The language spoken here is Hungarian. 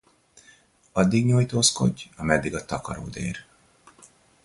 Addig nyújtózkodj, ameddig a takaród ér.